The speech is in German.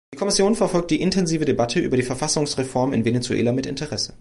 Die Kommission verfolgt die intensive Debatte über die Verfassungsreform in Venezuela mit Interesse.